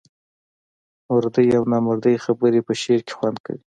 مردۍ او نامردۍ خبري په شعر کې خوند کوي.